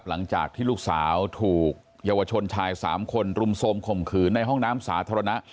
หลังจากที่ลูกสาวถูกเยาวชนชาย๓คนรุมโทรมข่มขืนในห้องน้ำสาธารณะ